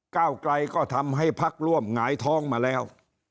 ก้าวไกลก็ทำให้พักร่วมหงายท้องมาแล้ว